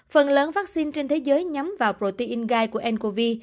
phần lớn vaccine trên thế giới nhắm vào protein gai của ncov